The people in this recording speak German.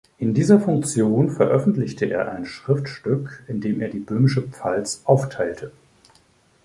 In dieser Funktion veröffentlichte er ein Schriftstück, in dem er die böhmische Pfalz aufteilte.